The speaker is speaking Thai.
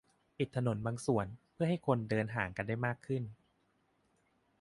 - ปิดถนนบางส่วน เพื่อให้คนเดินห่างกันได้มากขึ้น